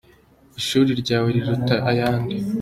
Ishuri ryawe riruta ayandi